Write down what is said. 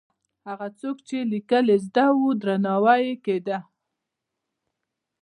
هغه څوک چې لیکل یې زده وو، درناوی یې کېده.